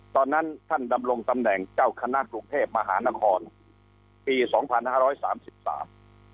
ตอนนั้นท่านดำรงตำแหน่งเจ้าคณะกรุงเทพมหานครปีสองพันห้าร้อยสามสิบสาม